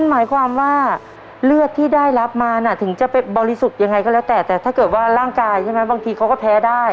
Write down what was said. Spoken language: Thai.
นั้นหมายความว่าเลือดที่ได้รับมาถึงจะไปบริษุที่อย่างไรก็แล้วแต่ถ้าเกิดว่าร่านกายใช่มั้ยบางทีเขาก็แพ้ได้